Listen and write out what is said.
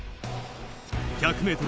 １００メートル